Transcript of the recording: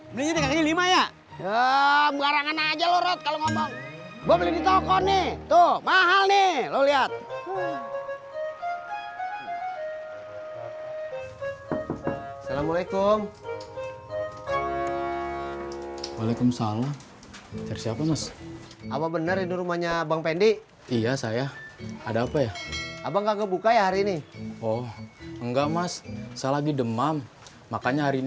belinya tiga puluh lima ya ya barangan aja loh kalau ngomong gue beli di toko nih tuh mahal nih lo lihat